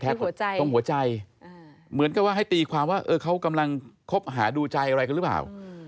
ตรงหัวใจเหมือนกับว่าให้ตีความว่าเขากำลังคบหาดูใจอะไรกันหรือเปล่า